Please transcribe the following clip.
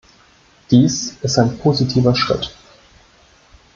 Dies ist ein positiver Schritt.